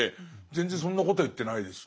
全然そんなことは言ってないですね。